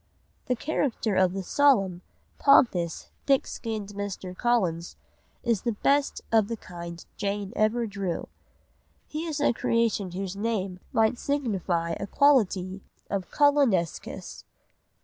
_) The character of the solemn, pompous, thick skinned Mr. Collins is the best of the kind Jane ever drew; he is a creation whose name might signify a quality of "collinesqueness."